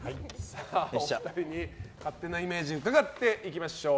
お二人に勝手なイメージを伺っていきましょう。